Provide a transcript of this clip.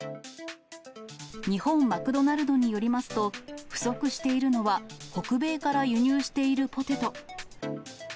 日本マクドナルドによりますと、不足しているのは北米から輸入しているポテト。